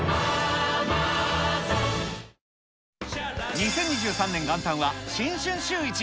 ２０２３年元旦は、新春シューイチ。